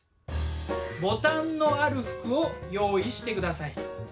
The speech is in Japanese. ボタンのある服を用意して下さい。